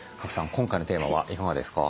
今回のテーマはいかがですか？